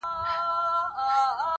چي به خان کله سورلۍ ته وو بېولی -